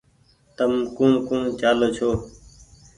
تم ڪوٚڻ ڪوٚڻ چآلو ڇو